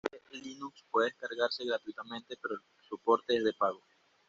Oracle Linux puede descargarse gratuitamente pero el soporte es de pago.